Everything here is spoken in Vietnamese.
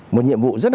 một nhiệm vụ rất là